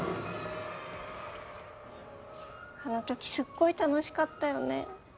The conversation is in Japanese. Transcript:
あのときすっごい楽しかったよね